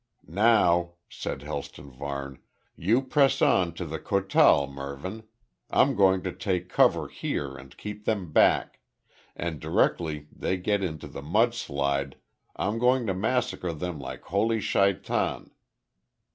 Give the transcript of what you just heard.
"Now," said Helston Varne. "You press on to the kotal, Mervyn. I'm going to take cover here and keep them back and directly they get into the mud slide I'm going to massacre them like holy Shaitan.